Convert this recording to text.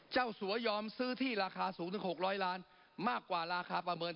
สัวยอมซื้อที่ราคาสูงถึง๖๐๐ล้านมากกว่าราคาประเมิน